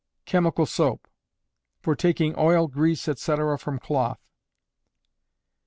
Chemical Soap, (for taking Oil, Grease, etc., from Cloth).